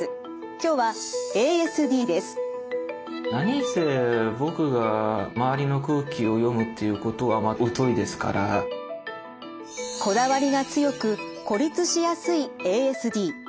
今日はこだわりが強く孤立しやすいＡＳＤ。